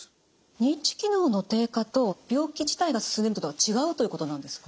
認知機能の低下と病気自体が進んでるってことは違うということなんですか？